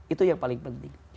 itu yang paling penting